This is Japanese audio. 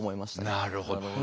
なるほど。